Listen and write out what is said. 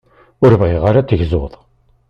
Ur bɣiɣ ara ad tegzuḍ.